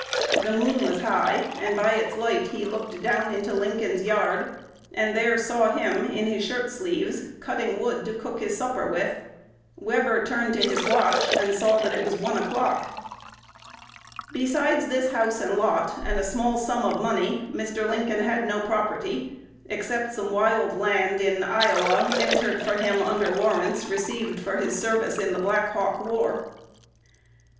The moon was high; and by its light he looked down into Lincoln's yard, and there saw him in his shirt sleeves "cutting wood to cook his supper with." Webber turned to his watch, and saw that it was one o'clock. Besides this house and lot, and a small sum of money, Mr. Lincoln had no property, except some wild land in Iowa, entered for him under warrants, received for his service in the Black Hawk War.